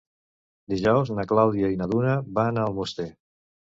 Dijous na Clàudia i na Duna van a Almoster.